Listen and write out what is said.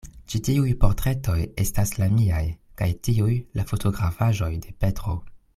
Ĉi tiuj portretoj estas la miaj; kaj tiuj, la fotografaĵoj de Petro.